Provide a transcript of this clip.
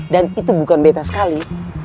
dan itu bukan betta sekali